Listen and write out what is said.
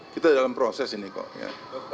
kita dalam proses ini kok ya